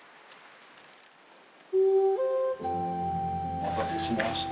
お待たせしました。